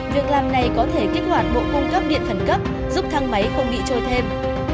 việc làm này có thể kích hoạt bộ cung cấp điện khẩn cấp giúp thang máy không bị trôi thêm